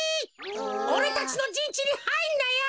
おれたちのじんちにはいんなよ！